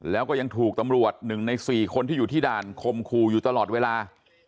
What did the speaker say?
แล้วก็ยังถูกตำรวจ๑ใน๔คนที่อยู่ที่ด่านคมคู่อยู่ตลอดเวลา